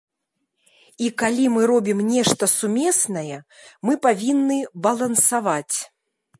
І калі мы робім нешта сумеснае, мы павінны балансаваць.